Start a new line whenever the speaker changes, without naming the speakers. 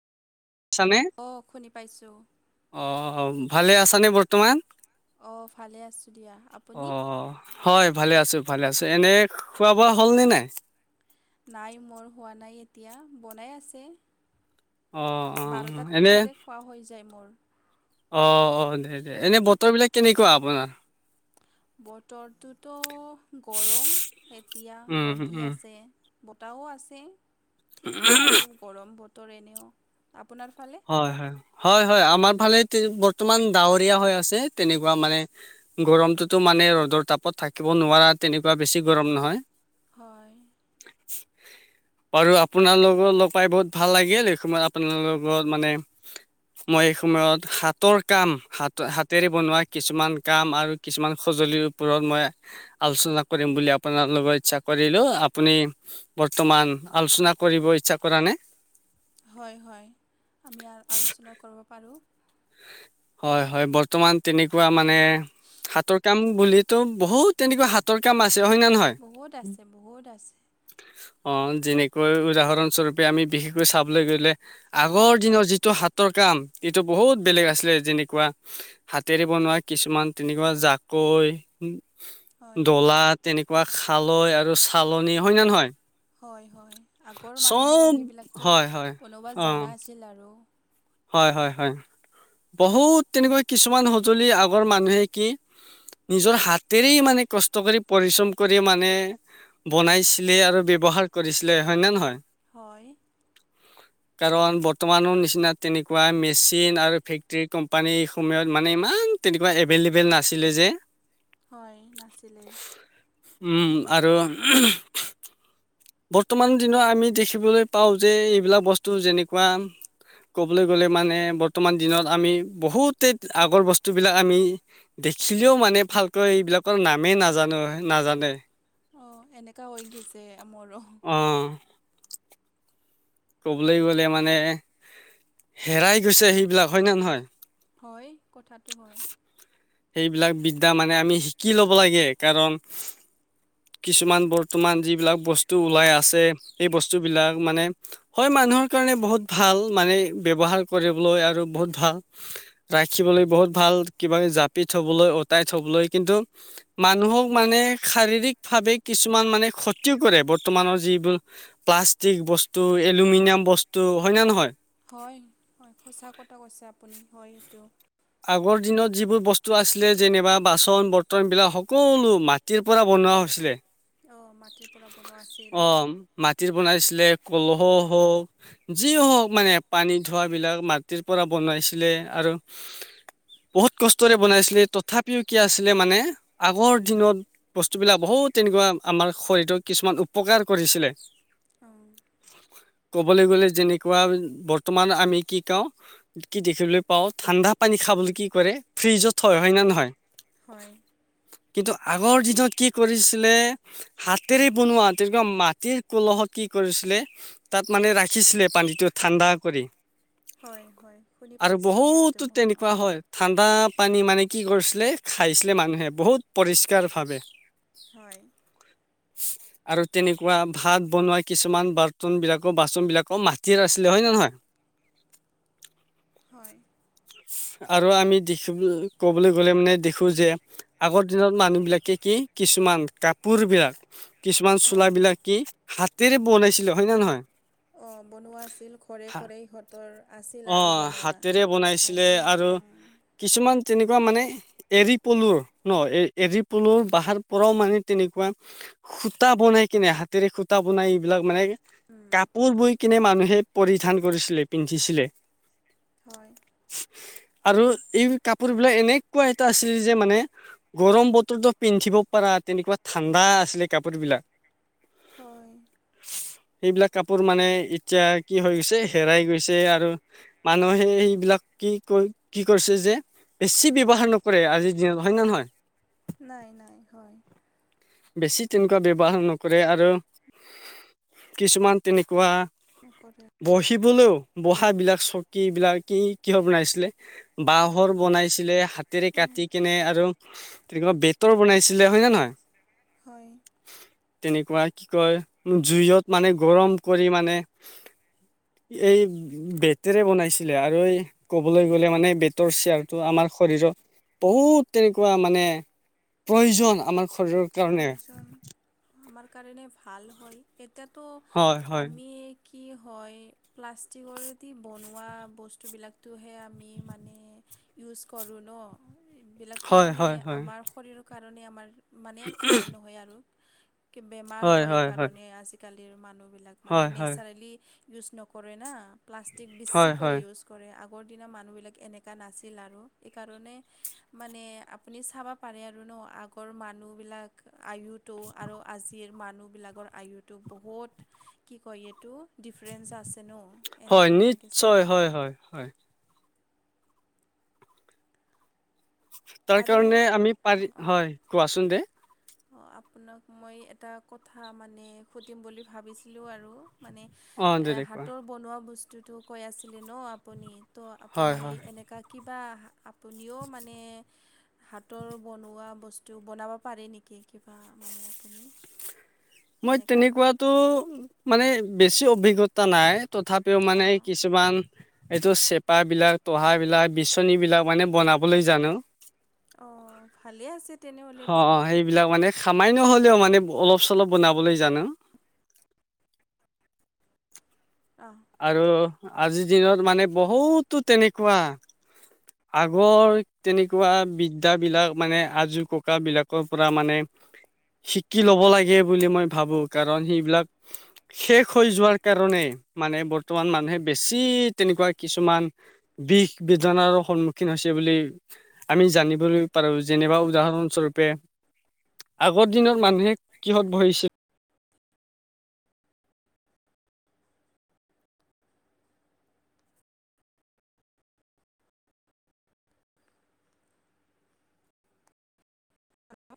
আছানে?
অঁ শুনি পাইছোঁ
অঁ ভালে আছানে বৰ্তমান
অঁ ভালে আছোঁ দিয়া আপুনি
অ', হয় ভালে আছো ভালে আছো এনে খোৱা বোৱা হল নে নাই
নাই মোৰ হোৱা নাই এতিয়া বনাই
অ',
আছে
অ',
বাৰটাত
এনে
পিছতে খোৱা হৈ যায় মোৰ
অঁ -অঁ দে -দে
হয়
এনেই বতৰবিলাক কেনেকুৱা আপোনাৰ
বতৰটোতো গৰম এতিয়া
উম,
ৰ'দ দে
উম,
আছে বতাহও আছে ঠিকেই আৰু গৰম বতৰ এনেও আপোনাৰ ফালে
হয় হয় হয় হয় আমাৰ ফালে বৰ্তমান ডাৱৰীয়া হৈ আছে তেনেকুৱা মানে গৰমটোতো মানে ৰৌদ তাপত থাকিব নোৱাৰা তেনেকুৱা বেছি গৰম নহয়
হয়
বাৰু আপোনালোকক লগ পাই বহুত ভাল লাগিল এই সময়ত আপোনালোক কৰ মানে মই এই সময়ত হাতৰ কাম হাত হাতেৰে বনোৱা কিছুমান কাম আৰু কিছুমান সজুলি ওপৰত মই আলোচনা কৰিম বুলি আপোনাৰ লগত ইচ্ছা কৰিলোঁ আপুনি বৰ্ত্ত মান আলোচনা কৰিব ইচ্ছা কৰা নে?
হয় হয়। আমি আলোচনা কৰিব পাৰোঁ।
হয় হয়। বৰ্তমান তেনেকুৱা মানে হাতৰ কাম বুলিতো, বহুত তেনেকুৱা হাতৰ কাম আ
বহুত আছে, বহুত আছে।
অ' যেনেকৈ উদাহৰণস্বৰূপে আমি বিশেষকৈ চাবলৈ গলে আগৰ দিনৰ যিটো হাতৰ কা কাম এইটো বহুত বেলেগ আছিলে যেনেকুৱা হাতেৰে বনোৱা কিছুমান তেনেকুৱা জাকৈ
হয়
দলা তেনেকুৱা খালৈ আৰু চালনি হয় নে নহয়?
হয় হয়। আগৰ
চব
মানুহবিলাক সেইবিলাকতো
হয় হয়
বনাব
অ
জানা আছিল আৰু
হয় হয় হয়। বহুত তেনেকুৱা কিছুমান সঁজুলি আগৰ মানুহে কি নিজৰ হাতেৰেই মানে কষ্ট কৰি পৰিশ্ৰম কৰি মানে বনাইছিলে আৰু ব্যৱহাৰ কৰিছিলে হয় নে নহয়?
হয়।
কাৰণ বৰ্তমানৰ নিচিনা তেনেকুৱা মেচিন আৰু ফেক্টৰী কোম্পানী সময়ত মানে ইমান তেনেকুৱা এভেইলেবল নাছিলে যে।
হয় নাছিলে
উম, আৰু বৰ্তমান দিনৰ আমি দেখিবলৈ পাওঁ যে এইবিলাক বস্তু যেনেকুৱা ক'বলৈ গ'লে মানে বৰ্তমান দিনত আমি বহুতে আগৰ বস্তুবিলাক আমি দেখিলেও মানে ভালকৈ এইবিলাকৰ নামেই নাজানো নাজানে।
অ' এনেকুৱা হয় গছে মৰো।
অ কবলৈ গ'লে মানে হেৰাই গৈছে সেইবিলাক। হয় নে নহয়?
হয়, কথাটো হয়।
সেইবিলাক বিদ্যা মানে আমি শিকি ল'ব লাগে কাৰণ কিছুমান বৰ্তমান যিবিলাক বস্তু ওলাই আছে সেই বস্তুবিলাক মানে হয় মানে মানুহৰ কাৰণে বহুত ভাল মানে ব্যৱহাৰ কৰিবলৈ আৰু বহুত ভাল ৰাখিবলৈ বহুত ত ভাল কিবা পি থবলৈ, অতাই থবলৈ কিন্তু মানুহক মানে শাৰীৰিক ভাৱে কিছুমান মানে ক্ষতিও কৰে বৰ্তমানৰ যিবোৰ প্লাষ্টিক বস্তু, এলুমিনিয়াম বস্তু, হয় নে নহয়?
হয়, হয় সঁচা কথা কৈছে আপুনি হয় সেইটো।
আগৰ দিনত যিবোৰ বস্তু আছিলে যেনিবা বাচন বৰ্তনবিলাক সকলো মাটিৰ পৰা বন নৱা হৈছিলে।
অঁ মাটিৰ পৰা বনোৱা আছিল
অ' মাটিত বনাইছিলে কলহ হওক, যি হওক মানে পানী ধোৱবিলাক মাটিৰ পৰা বনাইছিলে। আৰু বহুত কষ্টৰে বনাইছিলে, তথাপিও কি আছিলে মানে আগৰ দিনত বস্তুবিলাক বহুত তেনে এনেকুৱা আমাৰ শৰীৰৰ কিছুমান উপকাৰ কৰিছিলে।
অ'।
ক'বলৈ গ'লে যেনেকুৱা বৰ্তমান আমি কি কওঁ, কি দেখিবলৈ পাওঁ ঠাণ্ডা পানী খাবলৈ কি কৰে, ফ্ৰিজত থয়। হয় নে নহয়?
হয়।
কিন্তু আগৰ দিনত কি কৰিছিলে হাতেৰে বনোৱা তেনেকুৱা মাটিৰ কলহত কি কৰিছিলে তাত মানে ৰাখিছিলে পানীটো ঠাণ্ডা কৰি।
হয় হয় শুনি
আৰু
পাইছোঁ। এইটো
বহুতো
মই অ
তেনেকুৱা হয় ঠাণ্ডা পানী মানে কি কৰিছিলে খাইছিলে মানুহে, বহুত পৰিষ্কাৰ ভাবে।
হয়
[inaudible] আৰু তেনেকুৱা ভাত বনোৱা কিছুমান বাৰ্তনবিলাকো বাচনবিলাকো মাটিৰ আছিলে হয় নে নহয়? [inaudible]
হয়।
আৰু আমি দেখিব ক'বলৈ গ'লে মানে দেখো যে আগৰ দিনত মানুহ বিলাকে কি কিছুমান কাপোৰ বিলাক কিছুমান চোল
হয়
বিলাক কি হাতেৰে বনাইছিলে হয় নে নে নহয়
অ', বনোৱা আছিল ঘৰে
হা
ঘৰে ইিহঁতৰ আছিল
অ
আৰু বনোৱা
হাতেৰে বনাইছিলে
আছিল
আৰু কিছুমান অমান তেনেকুৱা মানে এৰী পলুৰ ন এ এৰী পলুৰ বহাৰ পৰাও মানে তেনেকুৱা সূতা বনাই কিনে হাতেৰে সুতা বনাই এইবিলাক মানে
উম,
কাপোৰ বই কিনে মানুহে পৰিধান কৰিছিলে পিন্ধিছিলে
হয়।
হয়। আৰু এই কাপোৰ বিলাক এনেকুৱা এটা আছিল যে মানে গৰম বতৰো পিন্ধিব পাৰা তেনেকুৱা ঠাণ্ডা আছিলে কাপোৰ বিলাক
হয়
সেইবিলাক কাপোৰ মানে এতিয়া কি হৈ গৈছে হেৰাই গৈছে আৰু মানুহে সেইবিলাক কি কৈ কি কৰিছে যে বেছি ব্য্ৱহাৰ নকৰে আজিৰ দিনত হয় নে নহয়
নাই নাই
বেছি তেনেকুৱা ব্যৱহাৰ নকৰে আৰু কিছুমান তেনেকুৱা
কৰে
বহিবলৈও বহ বিলাক চকীবলাক কি কিহৰ বনাইছিলে বাঁহৰ বনাইছিলে হাতেৰে
অঁ
কাটি কেনে আৰু তেনেকিবা বেতৰ বনাইছিলে হয় নে নহয়
হয়-
তেনেকুৱা কি কয় জুইত মানে গৰম কৰি মানে এই বেতেৰে বনাইছিলে আৰু এই ক'বলৈ গ'লে মানে বেটৰ শেয়াৰটো আমাৰ শৰীৰৰ বহুত তেনেকুৱা মানে প্ৰয়োজন আমাৰ শৰীৰৰ কাৰণে
প্ৰয়োজন আমাৰ কাৰণে ভাল হয় এতিয়াতো
হয় হয়
আমি কি হয় প্লাষ্টিকৰেদি বনোৱা বস্তুবিলাকটোহে আমি মানে ইউজ কৰোঁ ন এইবিলাকতো
হয়
মানে
হয় হয়
আমাৰ শৰীৰৰ কাৰণে আমাৰ মানে ভাল নহয় আৰু বেমাৰ হয় কাৰণে আজিকালিৰ মানুহবিলাক মানে
হয় হয়
নেচাৰেলি ইউজ নকৰে না প্লাষ্টিক
হয়
বেছিকৈ
হয়
ইউজ কৰে আগৰ দি মানুহবিলাক এনেুৱা নাছিল আৰু সকাৰণে মানে আপুনি চাব পাৰে আৰু আগৰ মানুহ বিলাক আয়ুটো আৰু আজিৰ মানুহবিলাকৰ আয়ুটো বহুত কি কয় এইটো ডিফাৰেঞ্চ আছে ন
হয়
এনেকুৱা হৈ গৈছে
নিশ্চয়
আৰু
হয় হয় হয় তাৰ কাৰণে
আৰু
আমি পাৰি হয় কোৱাচোন দে
অ', আপোনাক মই এটা কথা মানে সুধিম বুলি ভাবিছিলোঁ আৰু মানে
অ দে দে কোৱা
হাতৰ বনোৱা বস্তুটো কৈ আছিলে ন আপুনি ত'
হয়
আপুনি
হয়
এনেকা কি বা আপুনিও মানে হাতৰ বনোৱা বস্তু বনাব পাৰে নেকি ক কিবা মানে আপুনি
মই
এনেকুৱা
তেনেকুৱাতো মানে বেছি অভিজ্ঞতা নাই তথাপিও মানে
অঁ
কিছুমান এইটো চেপাবলাক তহ বিলাক বিচনী বিলাক মানে বনাবলৈ জানো
অ', ালে আছে তেনেহ'লে
বিলাক মানে খামাই নহ'লেও মানে অলপ বঅলপ বনাবলৈ জানো
অঁ
আৰু আজিৰ দিনত মানে বহুতো তেনেকুৱা আগৰ তেনেকুৱা বিদ্যাবিলাক মানে আজোৰ ককাবিলাকৰ পৰা মানে শিকি ল'ব লাগে বুলি মই ভাবো কাৰণ সেইবিলাক শেষ বিষ হৈ যোৱাৰ কাৰণে মানে বৰ্তমান মানুহে বেছি তেনেকুৱা কিছুমান বিষ বি্ঞান আৰু সন্মুখীন হৈছে বুলি আমি জানিবলৈ পাৰোঁ যনিবলৈ পাৰোঁ, উদাহৰণস্বৰূপে আগৰ দিনৰ মানুহে কিহত বহিছিল?
[inaudible]
[inaudible] [inaudible]